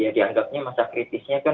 dianggapnya masa kritisnya kan